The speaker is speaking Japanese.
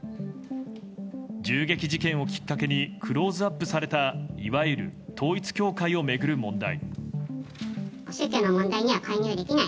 銃撃事件をきっかけにクローズアップされたいわゆる統一教会を巡る問題。